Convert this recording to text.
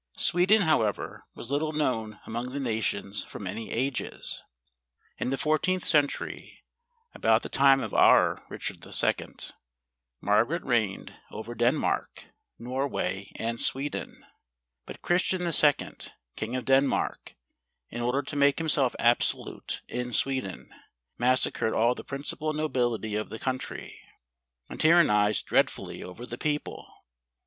Sweden, however, was little known among the nations for many ages. In the 14th century, about the time of our Richard II., Margaret reigned over Denmark, SWEDEN. 23 Norway, and Sweden. But Christian II. King of Denmark, in order to make himself absolute in Sweden, massacred all the principal nobility of the country, and tyrannized dreadfully over the people.